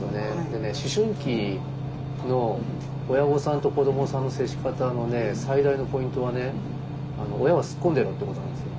でね思春期の親御さんと子どもさんの接し方のね最大のポイントはね「親はすっこんでろ」っていうことなんですよ。